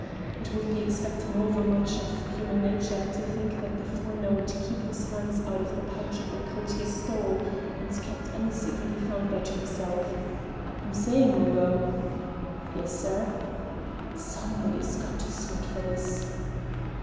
It would be expecting over much of human nature to think that the foreigner would keep his hands out of the pouch of a coat he stole, and keep any secret he found there to himself. I'm saying, Mungo!" "Yes, sir?" "Somebody's got to sweat for this!"